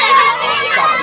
ayolah ayo kebukarannya